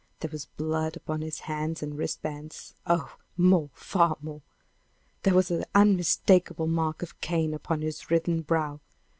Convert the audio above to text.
There was blood upon his hands and wrist bands! Oh, more far more! There was the unmistakable mark of Cain upon his writhen brow!